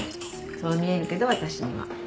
そう見えるけど私には。